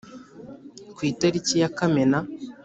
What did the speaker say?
Ku itariki ya kamena